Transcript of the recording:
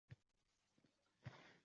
adolatsizlik o‘laroq qabul qiladi.